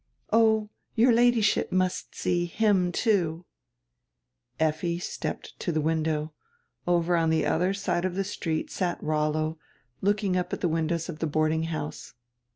"Oh, your Ladyship must see him too." Effi stepped to die window. Over on die odier side of die street sat Rollo, looking up at die windows of die boarding house.